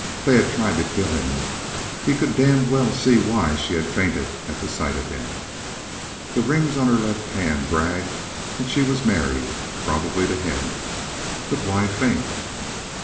If they had tried to kill him, he could damned well see why she had fainted at the sight of him. The rings on her left hand bragged that she was married, probably to him. But why faint?